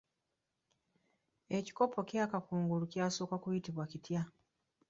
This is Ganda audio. Ekikopo kya Kakungulu kyasooka kuyitibwa kitya?